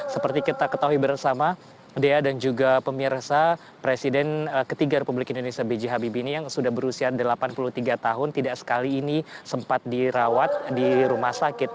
seperti kita ketahui bersama dea dan juga pemirsa presiden ketiga republik indonesia b j habibi ini yang sudah berusia delapan puluh tiga tahun tidak sekali ini sempat dirawat di rumah sakit